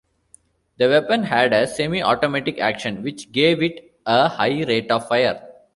The weapon had a semi-automatic action which gave it a high rate of fire.